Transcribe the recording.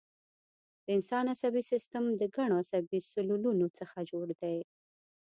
د انسان عصبي سیستم د ګڼو عصبي سلولونو څخه جوړ دی